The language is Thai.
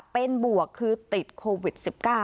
เป็นบวกคือติดโควิด๑๙